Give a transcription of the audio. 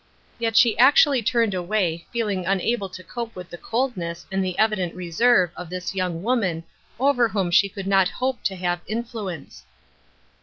Yet she actually turned away, feeling unable to cope with the coldness and the evident reserve of One Drop of Oil. Ill this young woman over whom she could not hope to have influence.